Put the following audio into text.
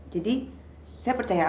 jadi saya percaya saja